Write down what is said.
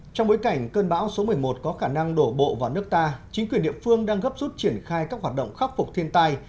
trong bối cảnh cơn bão số một mươi một có khả năng đổ bộ vào nước ta chính quyền địa phương đang gấp rút triển khai các hoạt động khắc phục thiên tai